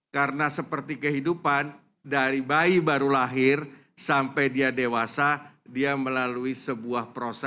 karena seperti kehidupan dari bayi baru lahir sampai dia dewasa dia melalui sebuah proses